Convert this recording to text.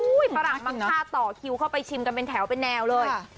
อุ้ยประหลังมาท่าต่อคิวเข้าไปชิมกันเป็นแถวเป็นแนวเลย